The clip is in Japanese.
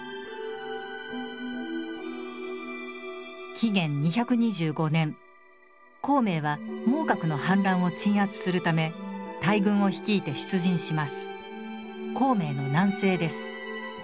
紀元２２５年孔明は孟獲の反乱を鎮圧するため大軍を率いて出陣します。